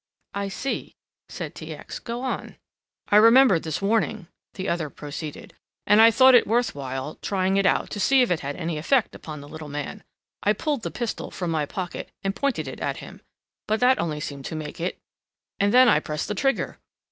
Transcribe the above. "I see," said T. X., "go on." "I remembered this warning," the other proceeded, "and I thought it worth while trying it out to see if it had any effect upon the little man. I pulled the pistol from my pocket and pointed it at him, but that only seemed to make it and then I pressed the trigger....